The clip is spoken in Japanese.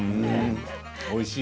おいしい。